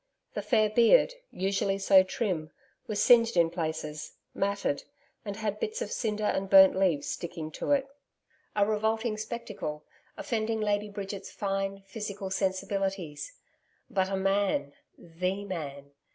The fair beard, usually so trim, was singed in places, matted, and had bits of cinder and burnt leaves sticking to it. A revolting spectacle, offending Lady Bridget's fine, physical sensibilities, but a MAN THE Man.